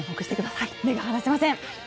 目が離せません。